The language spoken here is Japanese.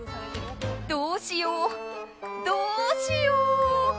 どうしよう、どうしよう。